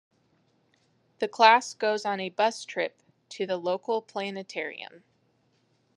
The class goes on a bus trip to the local planetarium.